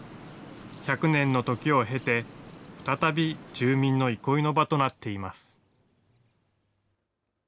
１００年の時を経て、再び住民の憩いの場となっています。